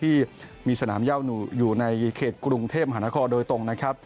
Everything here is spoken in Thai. ที่มีสนามย่าอยู่ในเขตกรุงเทพมหานครโดยตรงนะครับ